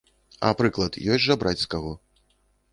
А прыклад ёсць жа браць з каго!